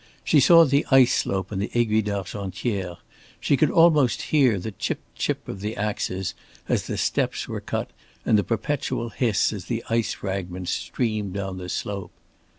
She saw the ice slope on the Aiguille d'Argentière, she could almost hear the chip chip of the axes as the steps were cut and the perpetual hiss as the ice fragments streamed down the slope.